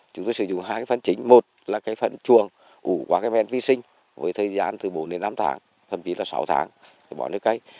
chúng tôi sử dụng hai phần chính một là cái phần chuồng của quán men vi sinh với thời gian từ bốn đến năm tháng thậm chí là sáu tháng để bỏ nước cây